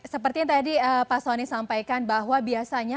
seperti yang tadi pak soni sampaikan bahwa biasanya